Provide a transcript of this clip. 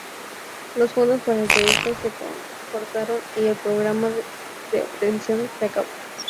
Los fondos para el proyecto se cortaron y el programa de obtención se acabó.